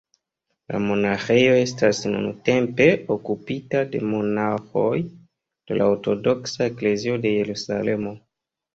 La monaĥejo estas nuntempe okupita de monaĥoj de la Ortodoksa Eklezio de Jerusalemo.